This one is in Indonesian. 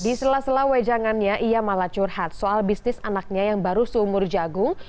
di sela sela wejangannya ia malah curhat soal bisnis anaknya yang baru seumur jagung